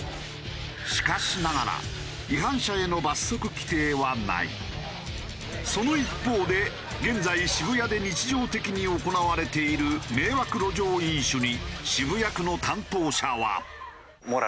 しかしながらその一方で現在渋谷で日常的に行われている迷惑路上飲酒に渋谷区の担当者は。